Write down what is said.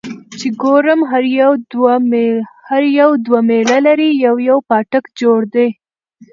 چې ګورم هر يو دوه ميله لرې يو يو پاټک جوړ دى.